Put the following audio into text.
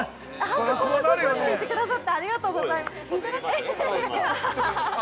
◆そこもご存じでいてくださってありがとうございます。